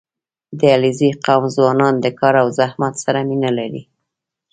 • د علیزي قوم ځوانان د کار او زحمت سره مینه لري.